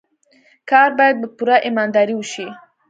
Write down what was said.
کار باید په پوره ایماندارۍ وشي.